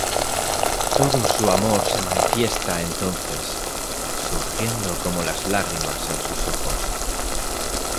Todo su amor se manifiesta entonces, surgiendo como las lágrimas en sus ojos.